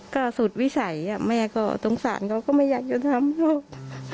ก็สุดวิศัยแม่ก็ตรงสารไม่อยากทำนั่ง